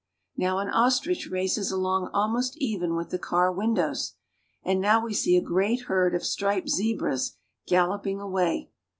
Now l an ostrich races along almost even with the car windows, ' and now we see a great herd of striped zebras gaUop ing away.